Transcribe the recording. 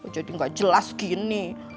jadi gak jelas gini